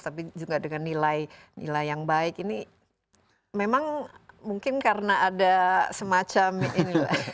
tapi juga dengan nilai nilai yang baik ini memang mungkin karena ada semacam ini